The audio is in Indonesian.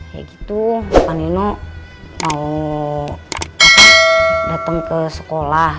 ya gitu pak nino mau dateng ke sekolah